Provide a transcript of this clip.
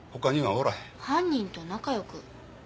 犯人と仲良く？